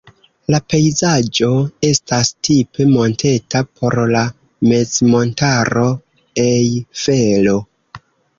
La pejzaĝo estas tipe monteta por la mezmontaro Ejfelo.